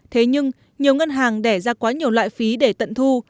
thế nhưng nhiều ngân hàng đẻ ra quá nhiều loại phí để tận thu